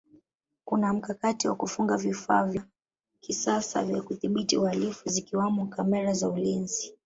kuna mkakati wa kufunga vifaa vya kisasa vya kudhibiti uhalifu zikiwamo kamera za ulinzi